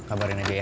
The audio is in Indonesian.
kabarin aja ya